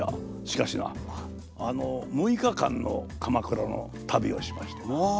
しかしな６日間の鎌倉の旅をしましてな